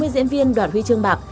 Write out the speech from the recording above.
sáu mươi diễn viên đoạt huy chương bạc